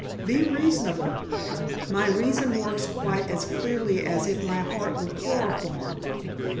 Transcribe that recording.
"Be reasonable." "My reason works quite as clearly as if my heart were chloroformed.